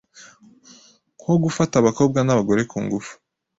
nko gufata abakobwa n’abagore ku ngufu,